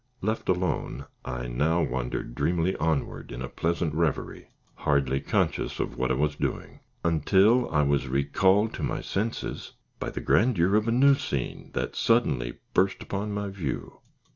Left alone, I now wandered dreamily onward, in a pleasant reverie, hardly conscious of what I was doing, until I was recalled to my senses by the grandeur of a new scene that suddenly burst upon my view.